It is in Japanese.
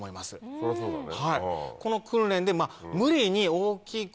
そりゃそうだね。